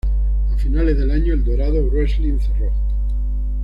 A finales de año, El Dorado Wrestling cerró.